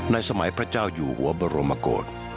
ในสมัยพระเจ้าหยุหวบรมโกษ